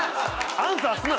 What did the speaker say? アンサーすな！